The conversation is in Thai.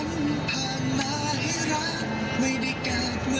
พอแล้วพอแล้ว